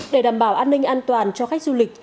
để đảm bảo an ninh an toàn cho khách du lịch